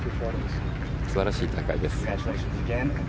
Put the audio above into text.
素晴らしい大会です。